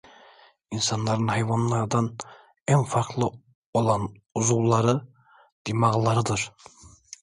İnsanların hayvanlardan en farklı olan uzuvları, dimağlarıdır.